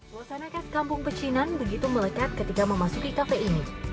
suasana khas kampung pecinan begitu melekat ketika memasuki kafe ini